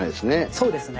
そうですね。